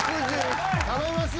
頼みますよ。